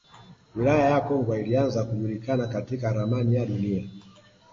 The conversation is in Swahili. Wilaya ya Kongwa ilianza kujulikana katika ramani ya Dunia